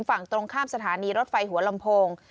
ฝั่งตรงข้ามสถานีรถไฟหัวลำโพง